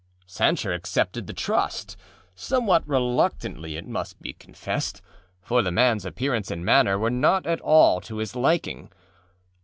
â Sancher accepted the trustâsomewhat reluctantly it must be confessed, for the manâs appearance and manner were not at all to his liking.